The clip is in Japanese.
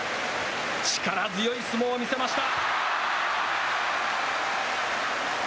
力強い相撲を見せました。